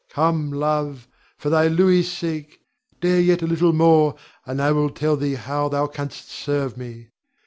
Come, love, for thy Louis's sake, dare yet a little more, and I will tell thee how thou canst serve me.